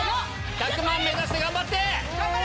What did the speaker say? １００万目指して頑張って！